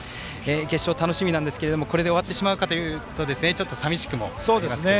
決勝、楽しみなんですけれどもこれで終わってしまうかと思うとさみしくもありますね。